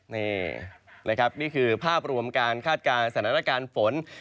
นี่นะครับนี่คือภาพรวมการคาดการณ์สถานการณ์ฝน